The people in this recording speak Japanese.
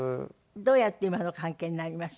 どうやって今の関係になりました？